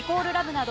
など